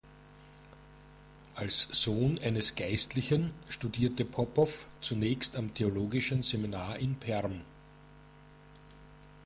Als Sohn eines Geistlichen studierte Popow zunächst am Theologischen Seminar in Perm.